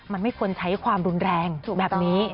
มันไม่ควรใช้ความรุนแรงแบบนี้